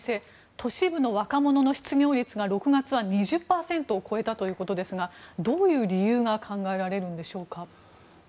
都市部の若者の失業率が６月は２０％を超えたということですがどういう理由が考えられるんでしょうか。